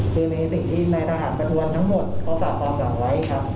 คือในสิ่งที่นายทหารประทวนทั้งหมดเขาฝากความหวังไว้ครับ